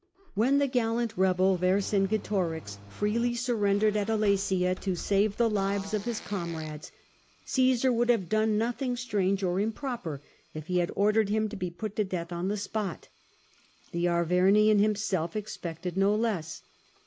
When the gallant rebel Verciugetorix freely surrendered himself at Alesia to save the lives of his comrades, Oijesar would have done nothing strange or improper if he had ordered him to be put to death on the spot. The Arvernian himself expected no less.